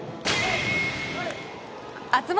熱盛